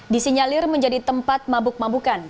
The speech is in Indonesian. disinyalir menjadi tempat mabuk mabukan